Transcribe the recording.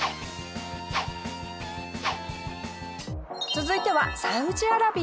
続いてはサウジアラビア。